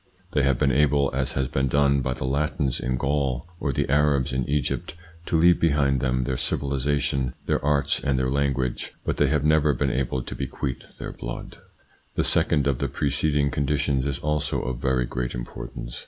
They have been able, as has been done by the Latins in Gaul or the Arabs in Egypt, to leave behind them their civilisation, their arts and their language, but they have never been able to bequeath their blood. The second of the preceding conditions is also of very great importance.